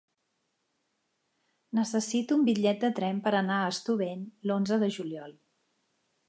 Necessito un bitllet de tren per anar a Estubeny l'onze de juliol.